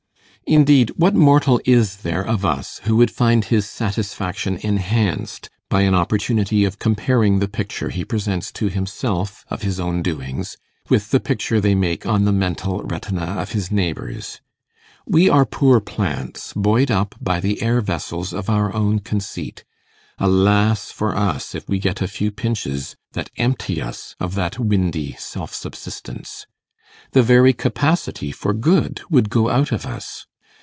Indeed, what mortal is there of us, who would find his satisfaction enhanced by an opportunity of comparing the picture he presents to himself of his own doings, with the picture they make on the mental retina of his neighbours? We are poor plants buoyed up by the air vessels of our own conceit: alas for us, if we get a few pinches that empty us of that windy self subsistence! The very capacity for good would go out of us.